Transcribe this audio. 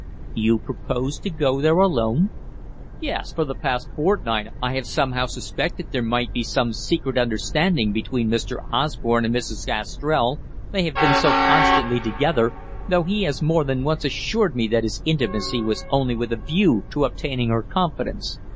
"You propose to go there alone?" "Yes. For the past fortnight I have somehow suspected there might be some secret understanding between Mr. Osborne and Mrs. Gastrell they have been so constantly together, though he has more than once assured me that his intimacy was only with a view to obtaining her confidence.